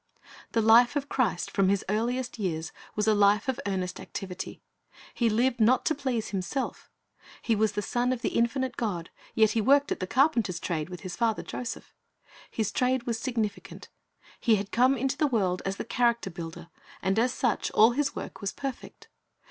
The life of Christ from His earliest years was a life of earnest activity. He lived not to please Himself He was the Son of the infinite God, yet He worked at the carpenter's trade with His father Joseph. His trade was significant. He had come into the world as the character builder, and as such all His work was perfect.